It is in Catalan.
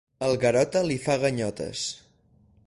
El Garota li fa ganyotes.